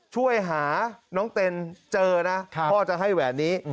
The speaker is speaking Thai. ช่วยหาน้องเต็นเจอนะพ่อจะให้แหวนนี้